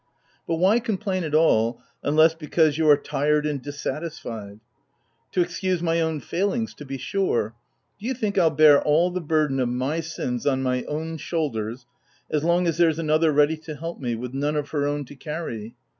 " But why complain at all, unless, because you are tired and dissatisfied ?"" To excuse my own failings, to be sure. Do you think I'll bear all the burden of my sins on my own shoulders, as long as there's another ready to help me, with none of her own to carry